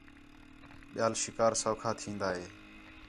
ٻِیال شِکار سَوکھا تِھین٘دا ہِے